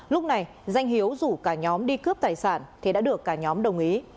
lúc này danh hiếu rủ cả nhóm đi cướp tài sản thì đã được cả nhóm đồng ý